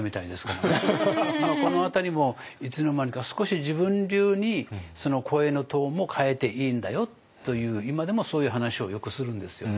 でもこの辺りもいつの間にか少し自分流にその声のトーンも変えていいんだよという今でもそういう話をよくするんですよね。